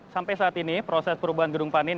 sampai saat ini proses perubahan gedung panin